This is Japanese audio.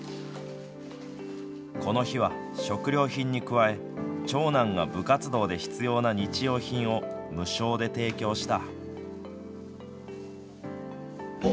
この日は、食料品に加え長男が部活動で必要な日用品を無償で提供した。